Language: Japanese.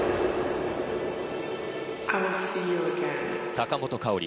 坂本花織